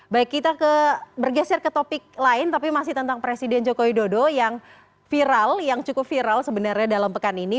baik kita bergeser ke topik lain tapi masih tentang presiden joko widodo yang viral yang cukup viral sebenarnya dalam pekan ini